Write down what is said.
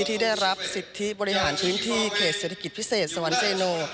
ที่ได้รับสิทธิบริหารพื้นที่เขตเศรษฐกิจพิเศษสวรรค์เจโน